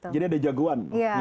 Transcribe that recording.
jadi ada jagoan